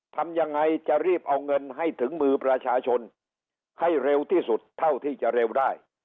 ทำยังไงจะรีบเอาเงินให้ถึงมือประชาชนให้เร็วที่สุดเท่าที่จะเร็วได้